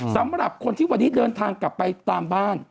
สำหรับคนที่วันนี้เดินทางกลับไปตามบ้าน